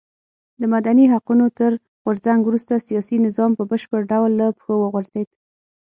د مدني حقونو تر غورځنګ وروسته سیاسي نظام په بشپړ ډول له پښو وغورځېد.